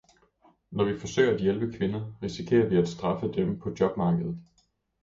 Når vi forsøger at hjælpe kvinder, risikerer vi at straffe dem på jobmarkedet.